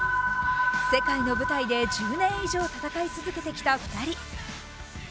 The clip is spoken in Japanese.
世界の舞台で１０年以上戦い続けてきた２人。